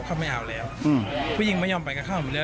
เขาไม่เอาแล้วอืมผู้หญิงไม่ยอมไปกับเขาหมดเลย